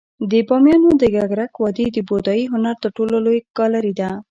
د بامیانو د ککرک وادي د بودايي هنر تر ټولو لوی ګالري ده